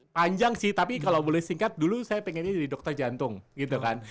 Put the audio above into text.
panjang sih tapi kalau boleh singkat dulu saya pengennya jadi dokter jantung gitu kan